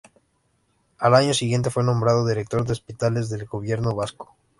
Al año siguiente fue nombrado director de Hospitales del Gobierno Vasco.